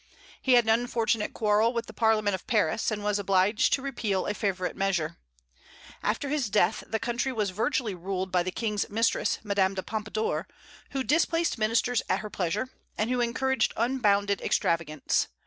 He had an unfortunate quarrel with the Parliament of Paris, and was obliged to repeal a favorite measure. After his death the country was virtually ruled by the King's mistress, Madame de Pompadour, who displaced ministers at her pleasure, and who encouraged unbounded extravagance.